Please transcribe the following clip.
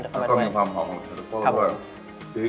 และมีความหอมของเท็ตตาเปิ้ล